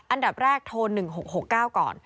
อันดับแรกโทร๑๖๖๙ก่อน